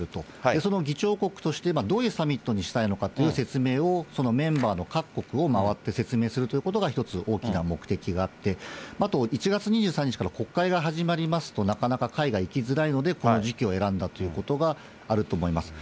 その議長国として、どういうサミットにしたいのかっていう説明をそのメンバーの各国を周って説明するということが一つ、大きな目的があって、あと１月２３日から国会が始まりますと、なかなか海外行きづらいので、この時期を選んだということがあると思います。